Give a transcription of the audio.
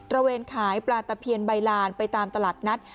ระเวนขายปลาตะเพียนใบลานไปตามตลาดนัด